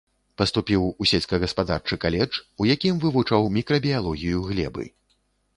Паступіў у сельскагаспадарчы каледж, у якім вывучаў мікрабіялогію глебы.